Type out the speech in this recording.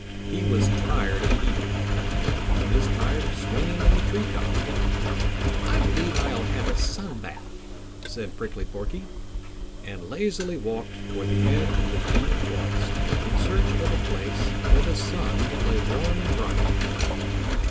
He was tired of eating. He was tired of swinging in the tree top. "I believe I'll have a sun bath," said Prickly Porky, and lazily walked toward the edge of the Green Forest in search of a place where the sun lay warm and bright.